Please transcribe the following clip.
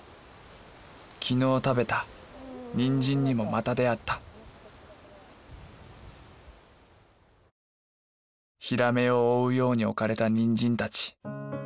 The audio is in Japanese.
昨日食べた人参にもまた出会ったヒラメを覆うように置かれた人参たち。